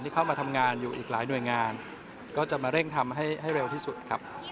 เข้ามาทำงานอยู่อีกหลายหน่วยงานก็จะมาเร่งทำให้ให้เร็วที่สุดครับ